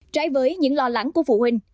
trái với những lo lắng của phụ huynh